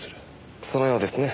そのようですね。